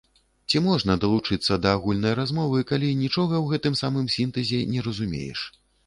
Ці можна далучыцца да агульнай размовы, калі нічога ў гэтым самім сінтэзе не разумееш?